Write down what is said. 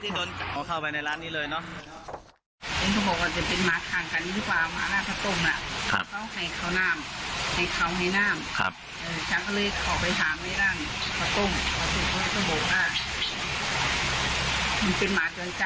ขอเข้าไปในร้านนี้เลยเนอะ